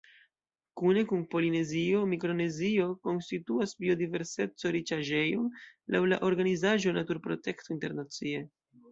Kune kun Polinezio, Mikronezio konstituas biodiverseco-riĉaĵejon laŭ la organizaĵo Naturprotekto Internacie.